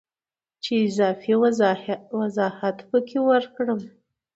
چې اضافي وضاحت پکې ورکړم